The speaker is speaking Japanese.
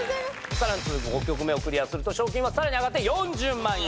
さらに続く５曲目をクリアすると賞金はさらに上がって４０万円。